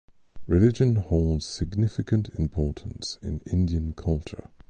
Religion holds significant importance in Indian culture.